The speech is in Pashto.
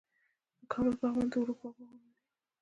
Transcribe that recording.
د کابل پغمان د اروپا باغونه دي